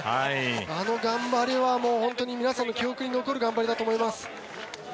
あの頑張りは本当に皆さんも記憶に残る頑張りだと思います。